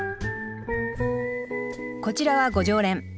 こちらはご常連。